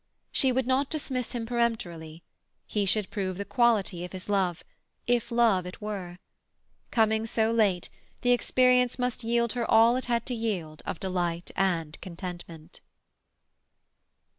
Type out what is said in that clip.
She would not dismiss him peremptorily. He should prove the quality of his love, if love it were. Coming so late, the experience must yield her all it had to yield of delight and contentment.